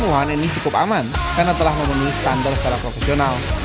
wahana ini cukup aman karena telah memenuhi standar secara profesional